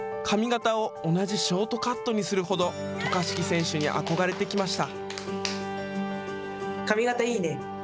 同じショートカットにするほど渡嘉敷選手に憧れてきました。